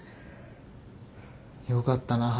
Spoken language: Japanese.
よかったな半田。